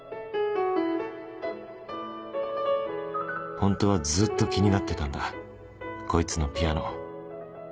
ホントはずーっと気になってたんだこいつのピアノ